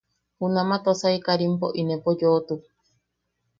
Junama Tosai Karimpo inepo yoʼotuk.